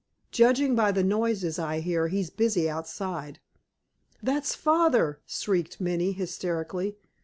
Judging by the noises I hear, he's busy outside." "That's father!" shrieked Minnie hysterically.